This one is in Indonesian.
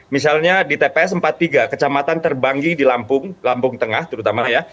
misalnya di tps empat puluh tiga kecamatan terbanggi di lampung tengah terutama ya